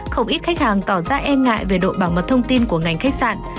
không ít khách hàng tỏ ra e ngại về độ bảo mật thông tin của ngành khách sạn